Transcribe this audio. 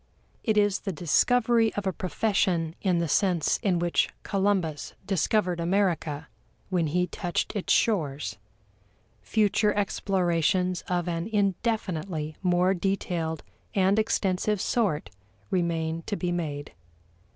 It is the discovery of a profession in the sense in which Columbus discovered America when he touched its shores. Future explorations of an indefinitely more detailed and extensive sort remain to be made.